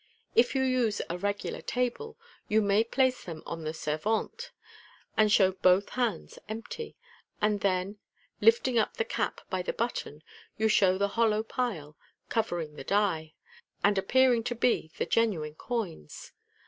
If you use a regular table, you may place them on the servante, and show both hands empty 3 and then, lifting up the cap by the button, you show the hollow pile, covering the die, and appearing to be the genuine coins.